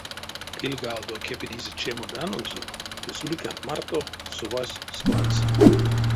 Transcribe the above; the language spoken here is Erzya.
Пильгалдо кепедизе чемоданонзо ды суликанть марто совась складс.